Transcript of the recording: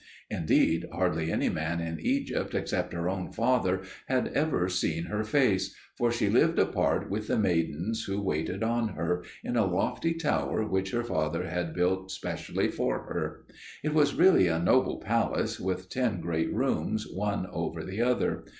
Indeed, hardly any man in Egypt except her own father had ever seen her face; for she lived apart with the maidens who waited on her, in a lofty tower which her father had built specially for her. It was really a noble palace, with ten great rooms, one over the other.